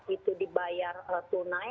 itu dibayar tunai